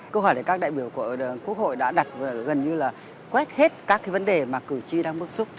câu hỏi này các đại biểu của quốc hội đã đặt gần như là quét hết các vấn đề mà cử tri đang bước xuống